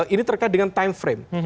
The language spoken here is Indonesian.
ini terkait dengan time frame